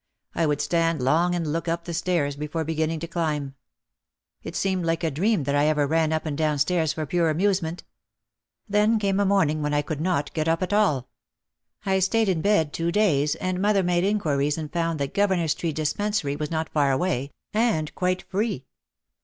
I would stand long and look up the stairs before beginning to climb. It seemed like a dream that I ever ran up and down stairs for pure amusement. Then came a morn ing when I could not get up at all. I stayed in bed two days and mother made inquiries and found that Gouver neur Street Dispensary was not far away and "quite free."